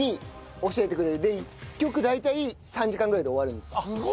で１曲大体３時間ぐらいで終わるんです。